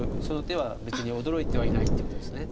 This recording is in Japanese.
その手は別に驚いてはいないっていうことです。